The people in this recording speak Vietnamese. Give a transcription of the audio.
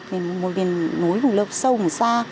nối vùng lớp sâu xa